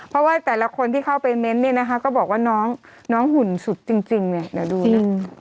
เพราะว่าแต่ละคนที่เข้าไปเม้นต์เนี่ยนะคะก็บอกว่าน้องหุ่นสุดจริงเนี่ยเดี๋ยวดูนะ